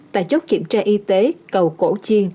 tài chốt kiểm tra y tế cầu cổ chiên